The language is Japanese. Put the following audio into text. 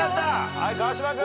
はい川島君。